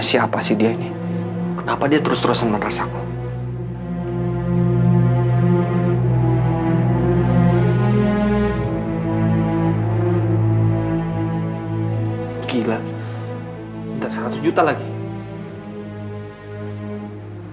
bapak bapak membuat kekacauan di sini